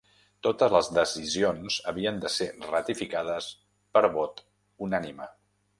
Totes les decisions havien de ser ratificades per vot unànime.